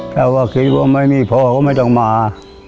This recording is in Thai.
ถ้าว่าคิดว่าไม่มีพ่อก็ไม่ต้องมา